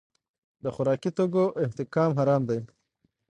د خوراکي توکو احتکار حرام دی.